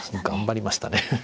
頑張りましたね。